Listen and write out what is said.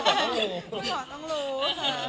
ฟาเอาแน็ตคือถ้าไม่ได้กลัว